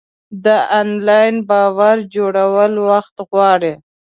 د انلاین باور جوړول وخت غواړي.